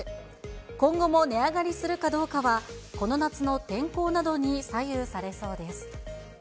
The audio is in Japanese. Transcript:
今後も値上がりするかどうかは、この夏の天候などに左右されそうです。